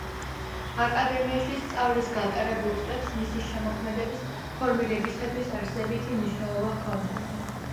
აკადემიაში სწავლის გატარებულ წლებს მისი შემოქმედების ფორმირებისათვის არსებითი მნიშვნელობა ჰქონდა.